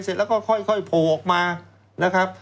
เสร็จแล้วก็ค่อยโผล่ออกมานะครับ